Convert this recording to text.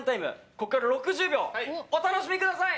ここから６０秒お楽しみください！